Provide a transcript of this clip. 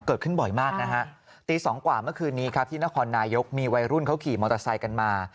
เกิดขึ้นบ่อยมากนะฮะตี๒กว่าเมื่อคืนนี้ครับที่นครนายกมีวัยรุ่นเขาขี่มอเตอร์ไซค์กันมา